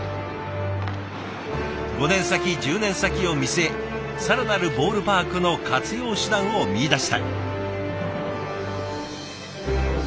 ５年先１０年先を見据え更なるボールパークの活用手段を見いだしたい。